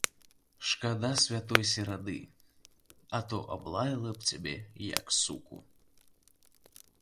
Шкада святой серады, а то аблаяла б цябе, як суку!